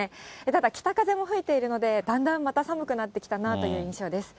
ただ、北風も吹いているので、だんだんまた寒くなってきたなという印象です。